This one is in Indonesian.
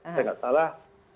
saya enggak salah